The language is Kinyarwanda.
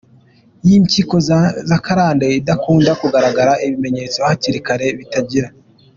y’impyiko z’akarande idakunda kugaragaza ibimenyetso hakiri kare, bitangira